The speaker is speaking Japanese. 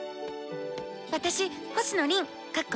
私星野凛